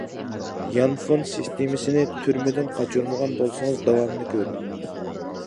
يانفون سىستېمىسىنى تۈرمىدىن قاچۇرمىغان بولسىڭىز داۋامىنى كۆرمەڭ.